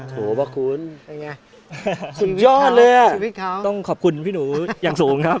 โหพระคุณเป็นไงสุดยอดเลยอ่ะชีวิตเขาต้องขอบคุณพี่หนูอย่างสูงครับ